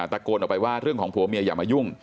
ตะโกนออกไปว่าเรื่องของผัวเมียอย่ามายุ่ง